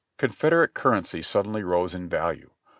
Confederate currency suddenly rose in value.